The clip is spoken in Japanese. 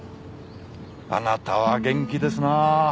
あなたは元気ですなあ！